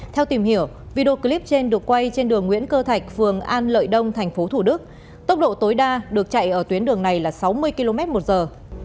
theo tìm hiểu video clip trên được quay trên đường nguyễn cơ thạch phường an lợi đông tp thủ đức tốc độ tối đa được chạy ở tuyến đường này là sáu mươi km một giờ